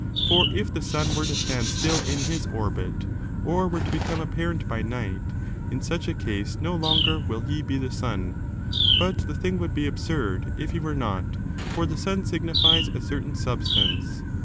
For if the sun were to stand still in his orbit, or were to become apparent by night, in such a case no longer will he be the sun ; but the thing would be absurd if he were not, for the sun signifies a certain substance.